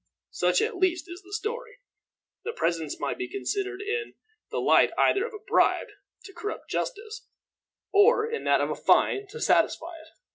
Such at least is the story. The presents might be considered in the light either of a bribe to corrupt justice, or in that of a fine to satisfy it.